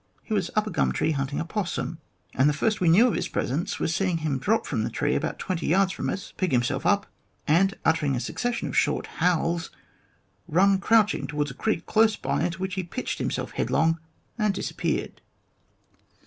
He was up a gum tree hunting an opossum, and the first we knew of his presence was seeing him drop from the tree about twenty yards from us, pick himself up, and, utter ing a succession of short howls, run crouching towards a creek close by, into which he pitched himself headlong and disappeared.